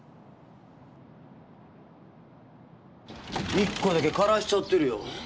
１個だけ枯らしちゃってるよ。